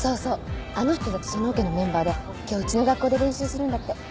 あの人たちそのオケのメンバーで今日うちの学校で練習するんだって。